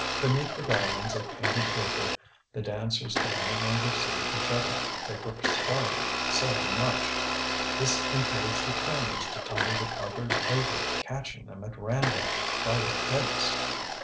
Beneath the garlands of painted paper the dancers could no longer see each other, they perspired so much; this encouraged the trammers to tumble the putters over, catching them at random by the hips.